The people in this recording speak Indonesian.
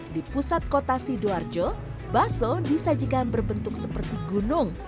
di pusat kota sidoarjo baso disajikan berbentuk seperti gunung